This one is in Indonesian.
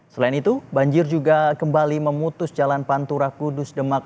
selain itu banjir juga kembali memutus jalan pantura kudus demak